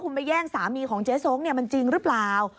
คุณไปแย่งสามีของเจ๊ส้งเนี่ยมันจริงหรือเปล่า